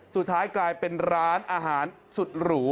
สุดท้ายกลายเป็นร้านอาหารสุดหรู